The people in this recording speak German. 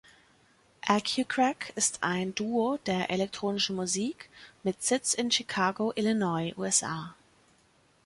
Acucrack ist ein Duo der elektronischen Musik mit Sitz in Chicago, Illinois (USA).